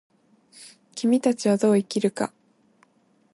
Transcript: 君たちはどう生きるか。